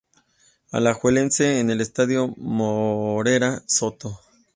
Alajuelense en el Estadio Morera Soto.